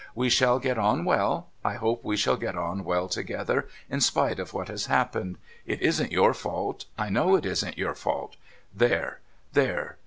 We shall get on well — I hope we shall get on well together — in spite of what has happened. It isn't your fault ; I know it isn't your fault. There ! there